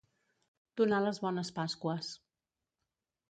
Donar les bones pasqües.